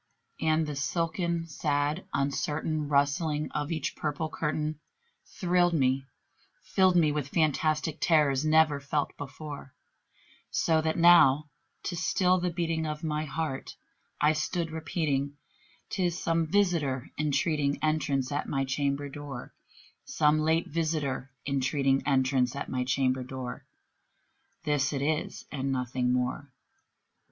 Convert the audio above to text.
And the silken sad uncertain rustling of each purple curtain Thrilled me filled me with fantastic terrors never felt before; So that now, to still the beating of my heart, I stood repeating "'Tis some visitor entreating entrance at my chamber door Some late visitor entreating entrance at my chamber door; This it is and nothing more."